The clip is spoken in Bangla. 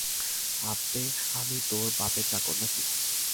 আব্বে আমি তোর বাপের চাকর নাকি?